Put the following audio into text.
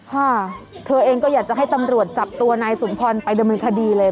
ค่ะเธอเองก็อยากจะให้ตำรวจจับตัวนายสุนทรไปดำเนินคดีเลย